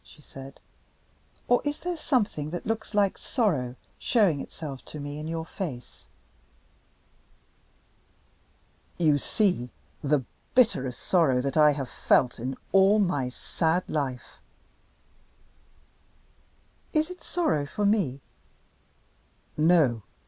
she said. "Or is there something that looks like sorrow, showing itself to me in your face?" "You see the bitterest sorrow that I have felt in all my sad life." "Is it sorrow for me?" "No.